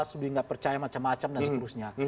sebetulnya tidak percaya macam macam dan seterusnya